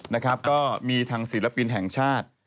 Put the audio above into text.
นะครับก็มีทางศิลปินแห่งชาติ